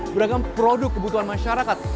beragam produk kebutuhan masyarakat